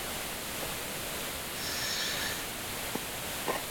mambo ni mengi sana ikiwemo mfumuko wa bei